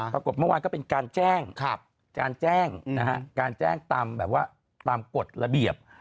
ปรากฏเมื่อวานก็เป็นการแจ้งตามกฎระเบียบ